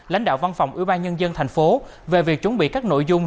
lãnh đạo văn phòng ủy ban nhân dân tp hcm về việc chuẩn bị các nội dung